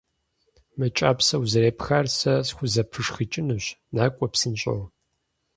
- Мы кӀапсэ узэрепхар сэ схузэпышхыкӀынущ, накӀуэ псынщӀэу!